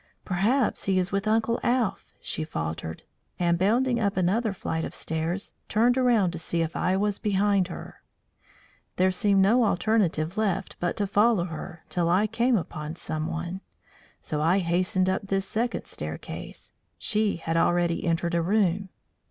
"Perhaps he is with Uncle Alph," she faltered, and, bounding up another flight of stairs, turned around to see if I was behind her. There seemed no alternative left but to follow her till I came upon someone; so I hastened up this second staircase. She had already entered a room.